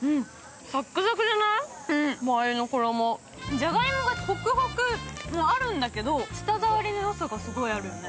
じゃがいもがホクホクもあるんだけど、舌触りのよさがすごいあるのね。